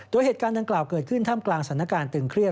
ด้วยเหตุการณ์ของเดินเก่าเกิดขึ้นท่ำกลางสถานการณ์ตึงเครียด